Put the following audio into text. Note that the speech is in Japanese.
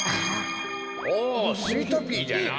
おスイートピーじゃな。